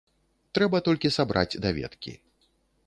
Трэба толькі сабраць даведкі.